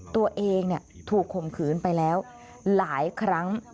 ตัวเองถูกข่มขืนไปแล้วหลายครั้ง